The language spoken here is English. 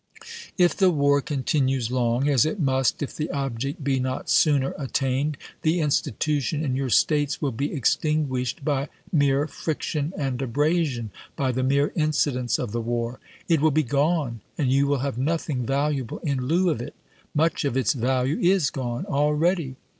If the war continues long, as it must if the object be not sooner attained, the 1862. institution in your States will be extinguished by mere friction and abrasion — by the mere incidents of the war. It will be gone, and you will have nothing valuable in lieu of it. Much of its value is gone already.